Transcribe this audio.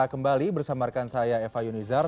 kembali bersama rekan saya eva yunizar